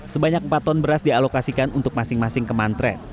sebanyak empat ton beras dialokasikan untuk masing masing kemantren